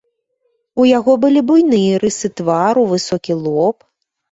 У яго былі буйныя рысы твару, высокі лоб.